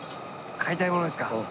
買いたいものですか？